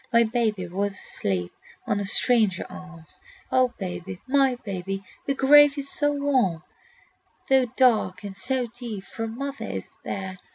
My babe was asleep on a stranger arm. "O baby, my baby, the grave is so warm, "Though dark and so deep, for mother is there!